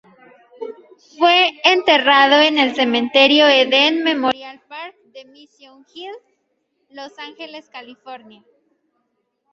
Fue enterrado en el Cementerio Eden Memorial Park de Mission Hills Los Ángeles, California.